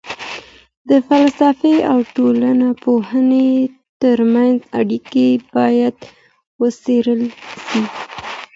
د فلسفې او ټولنپوهني ترمنځ اړیکې باید وڅېړل سي.